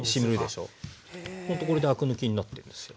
ほんとこれでアク抜きになってるんですよ。